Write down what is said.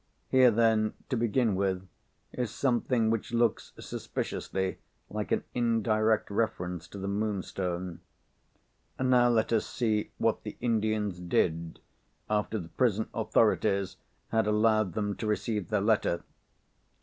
Here, then, to begin with, is something which looks suspiciously like an indirect reference to the Moonstone. Now, let us see what the Indians did, after the prison authorities had allowed them to receive their letter.